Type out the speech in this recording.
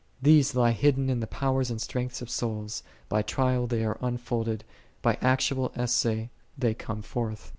These lie hid in the powers and strength of souls, by trial they are unfolded, by actual essay they come forth.